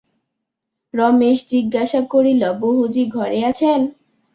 রমেশ জিজ্ঞাসা করিল, বহুজি ঘরে আছেন?